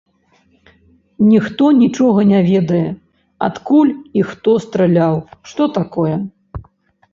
Ніхто нічога не ведае, адкуль і хто страляў, што такое?